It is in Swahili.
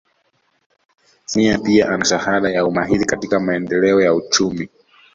Samia pia ana shahada ya umahiri katika maendeleo ya uchumi